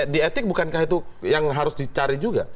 di etik bukankah itu yang harus dicari juga